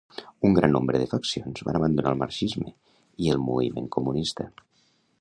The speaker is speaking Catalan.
Un gran nombre de faccions van abandonar el marxisme i el moviment comunista.